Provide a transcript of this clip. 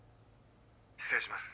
失礼します。